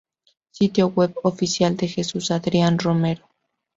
Sitio web oficial de Jesús Adrián Romero